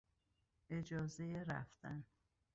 اجازهی رفتن